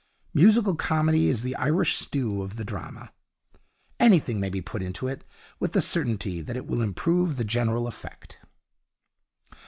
Musical comedy is the Irish stew of the drama. Anything may be put into it, with the certainty that it will improve the general effect.